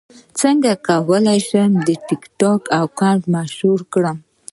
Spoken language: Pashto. څنګه کولی شم یو ټکټاک اکاونټ مشهور کړم